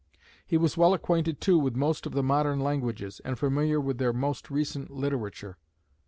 He was well acquainted, too, with most of the modern languages, and familiar with their most recent literature.